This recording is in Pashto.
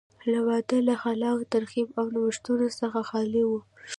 دا وده له خلاق تخریب او نوښتونو څخه خالي وه.